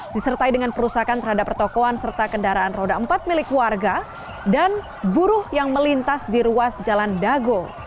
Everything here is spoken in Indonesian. disertai dengan perusakan terhadap pertokoan serta kendaraan roda empat milik warga dan buruh yang melintas di ruas jalan dago